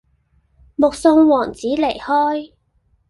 目送王子離開